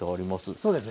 そうですね。